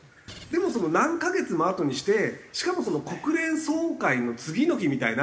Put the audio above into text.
でも何カ月もあとにしてしかも国連総会の次の日みたいな。